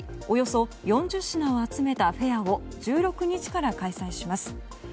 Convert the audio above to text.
およそ４０品を集めたフェアを１６日から開催します。